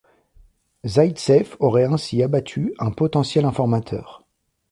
Zaïtsev aurait ainsi abattu un potentiel informateur.